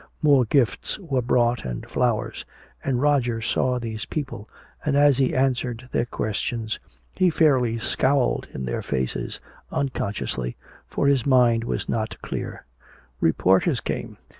More gifts were brought and flowers. And Roger saw these people, and as he answered their questions he fairly scowled in their faces unconsciously, for his mind was not clear. Reporters came.